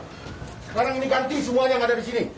sekarang ini ganti semua yang ada di sini